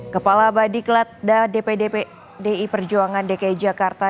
kepala badi kelatda dpi perjuangan dki jakarta